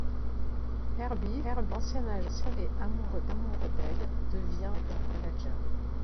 Herbie, son ancien agent et amoureux d'elle, devient leur manager.